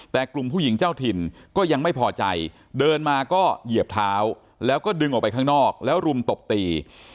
แต่กลุ่มผู้หญิงเจ้าถิ่นก็ยังไม่พอใจเดินมาก็เหยียบเท้าแล้วก็ดึงออกไปข้างนอกแล้วรุมตบตี